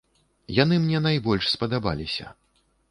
Яны мне найбольш спадабаліся.